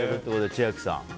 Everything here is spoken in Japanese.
千秋さん。